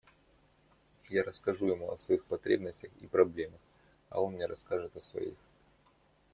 Я расскажу ему о своих потребностях и проблемах, а он мне расскажет о своих.